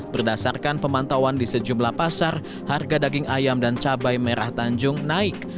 berdasarkan pemantauan di sejumlah pasar harga daging ayam dan cabai merah tanjung naik